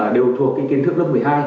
đều thuộc kiến thức lớp một mươi hai